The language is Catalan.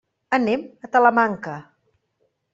Anem a Talamanca.